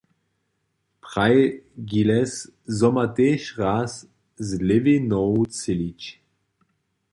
Praj Gilles, zo ma tež raz z lěwej nohu třělić.